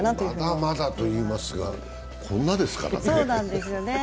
まだまだといいますが、こんなですからね。